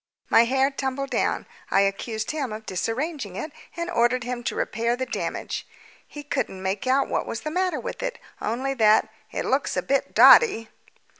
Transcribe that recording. My hair tumbled down. I accused him of disarranging it, and ordered him to repair the damage. He couldn't make out what was the matter with it, only that "It looks a bit dotty."